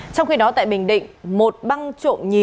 trong khi đó tại bình định một băng trộn nhí chuyên gia đình